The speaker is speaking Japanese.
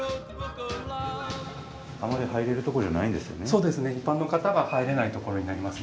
あまり入れるとこじゃないんですよね。